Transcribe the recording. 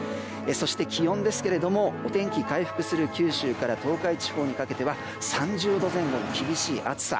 そして気温ですがお天気回復する九州から東海地方にかけては３０度前後の厳しい暑さ。